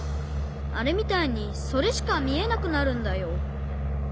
あれみたいにそれしかみえなくなるんだよ。